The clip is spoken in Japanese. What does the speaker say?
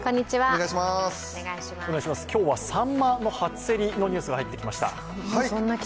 今日は、さんまの初競りのニュースが入ってきました。